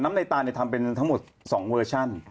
ในตาลทำเป็นทั้งหมด๒เวอร์ชัน